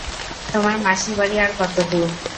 তোর মাসির বাড়ি আর কতদূর?